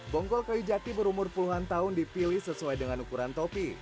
bongkol kayu jati berumur puluhan tahun dipilih sesuai dengan ukuran topi